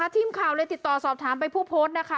ทีมข่าวเลยติดต่อสอบถามไปผู้โพสต์นะคะ